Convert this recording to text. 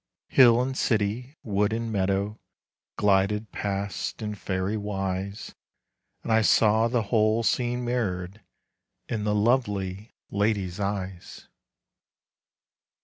Hill and city, wood and meadow, Glided past in fairy wise. And I saw the whole scene mirrored In the lovely lady's eyes.